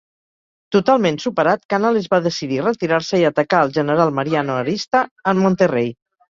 Totalment superat, Canales va decidir retirar-se i atacar al general Mariano Arista en Monterrey.